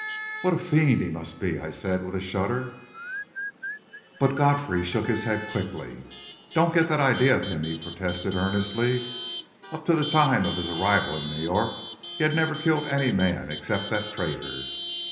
"What a fiend he must be!" I said, with a shudder. But Godfrey shook his head quickly. "Don't get that idea of him," he protested earnestly. "Up to the time of his arrival in New York, he had never killed any man except that traitor.